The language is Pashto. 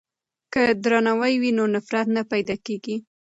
که درناوی وي نو نفرت نه پیدا کیږي.